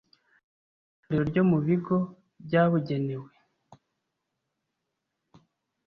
Itorero ryo mu bigo byabugenewe